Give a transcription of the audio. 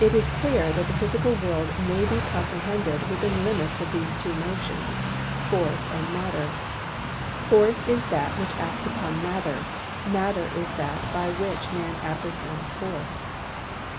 It is clear that the physical world may be comprehended within the limits of these two notions — Force and Matter. Force is that which acts upon Matter, Matter is that by which man apprehends Force.